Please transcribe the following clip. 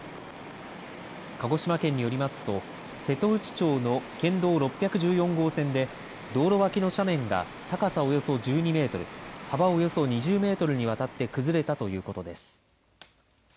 鹿児島県によりますと瀬戸内町の県道６１４号線で道路脇の斜面が高さおよそ１２メートル幅およそ２０メートルにわたって崩れたということです。